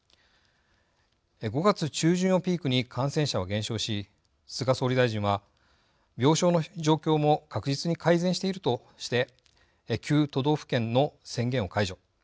５月中旬をピークに感染者は減少し菅総理大臣は「病床の状況も確実に改善している」として９都道府県の宣言を解除